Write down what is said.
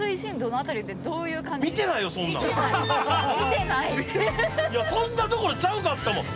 いやそんなどころちゃうかったもん！